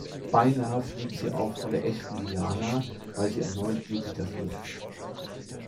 Beinah flieht sie auch vor der echten Diana, weil sie erneut Jupiter fürchtet.